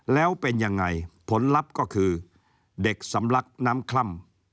แล้วเป็นยังไงผลลัพธ์ก็คือเด็กสำลักน้ำคล่ำ